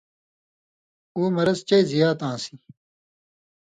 اُو مرض چئ زیات آن٘سیۡ۔